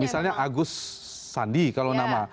misalnya agus sandi kalau nama